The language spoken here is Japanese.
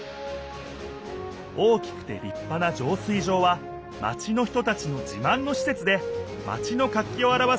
大きくてりっぱなじょう水場はマチの人たちのじまんのしせつでマチの活気をあらわす